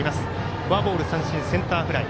フォアボール、三振センターフライ。